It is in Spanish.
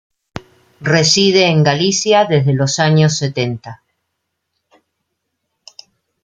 Reside en Galicia desde los años setenta.